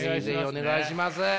お願いしますね。